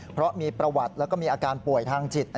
เพราะมีประวัติแล้วก็มีอาการป่วยทางจิต